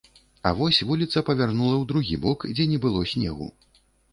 А вось вуліца павярнула ў другі бок, дзе не было снегу.